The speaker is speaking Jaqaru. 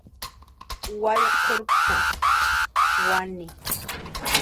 Wallqurpta, wani